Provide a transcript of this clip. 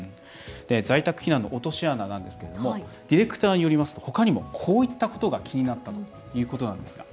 在宅避難の落とし穴ですけどディレクターによりますとほかにも、こういったことが気になったということなんです。